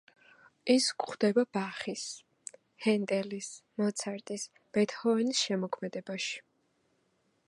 ის გვხვდება ბახის, ჰენდელის, მოცარტის, ბეთჰოვენის შემოქმედებაში.